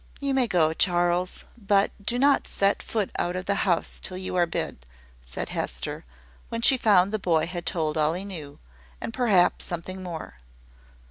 "You may go, Charles; but do not set foot out of the house till you are bid," said Hester, when she found the boy had told all he knew, and perhaps something more.